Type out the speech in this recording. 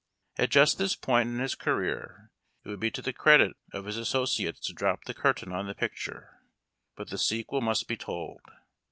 At just this point in his career it would be to the credit of his associates to drop the curtain on the picture ; but the sequel must be told.